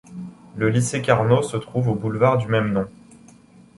Le Lycée Carnot se trouve au du boulevard du même nom.